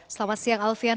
selamat siang alfian